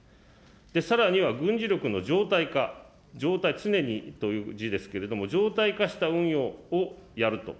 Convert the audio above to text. さらには軍事力の常態化、常態、常にという字ですけれども、常態化した運用をやると。